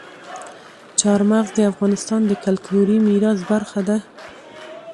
چار مغز د افغانستان د کلتوري میراث برخه ده.